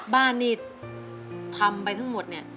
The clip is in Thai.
บ้านนี่ทำไปทั้งหมดเนี่ย